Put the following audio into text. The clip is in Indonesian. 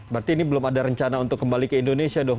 berarti ini belum ada rencana untuk kembali ke indonesia dok